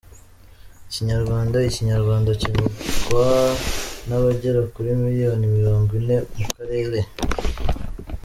Ikinyarwanda Ikinyarwanda kivugwa n'abagera kuri miliyoni mirongo ine mu karere.